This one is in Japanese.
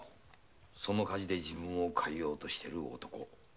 その火事で自分を変えようとしている男。